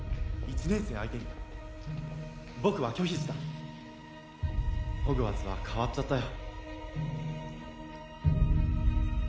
年生相手に僕は拒否したホグワーツは変わっちゃったよ